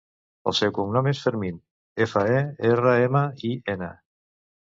El seu cognom és Fermin: efa, e, erra, ema, i, ena.